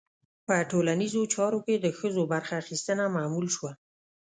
په ټولنیزو چارو کې د ښځو برخه اخیستنه معمول شوه.